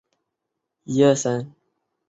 未出数字版。